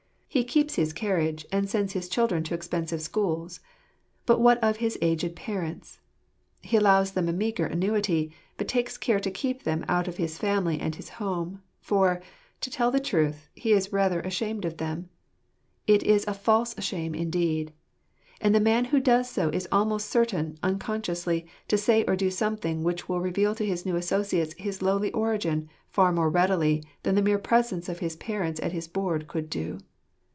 He keeps his carriage, and sends his children to expensive schools. But what of his aged parents? He allows them a meagre annuity; but takes care to keep them out of his family and his home — for, to tell the truth, he is rather ashamed of them. It is a false shame indeed! And the man who does so is almost certain, unconsciously, to say or do something which will reveal to his new associates his lowly origin far more readily than the mere presence of his parents at his board could do.